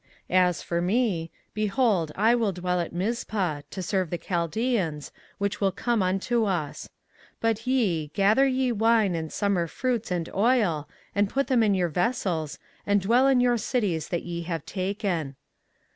24:040:010 As for me, behold, I will dwell at Mizpah, to serve the Chaldeans, which will come unto us: but ye, gather ye wine, and summer fruits, and oil, and put them in your vessels, and dwell in your cities that ye have taken.